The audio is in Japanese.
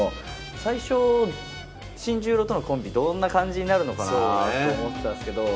最初新十郎とのコンビどんな感じになるのかなあって思ったんすけど。